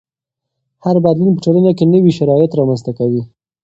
هر بدلون په ټولنه کې نوي شرایط رامنځته کوي.